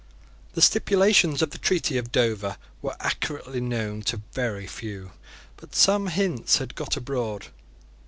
The stipulations of the treaty of Dover were accurately known to very few; but some hints had got abroad.